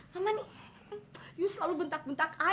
mama nih ibu selalu bentak bentak